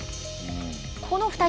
この２人。